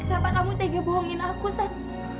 kenapa kamu tega bohongin aku sat